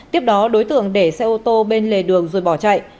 tiếp đó đối tượng để xe ô tô bên lề đường rồi bỏ chạy